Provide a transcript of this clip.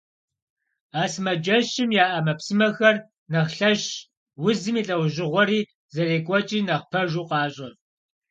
А сымаджэщым яӀэ Ӏэмэпсымэхэр нэхъ лъэщщ, узым и лӀэужьыгъуэри зэрекӀуэкӀри нэхъ пэжу къащӀэ.